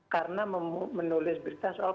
karena menulis berita soal